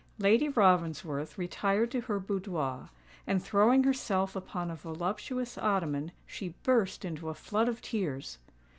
Lady Ravensworth retired to her boudoir; and, throwing herself upon a voluptuous ottoman, she burst into a flood of tears.